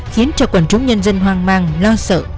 khiến cho quần chúng nhân dân hoang mang lo sợ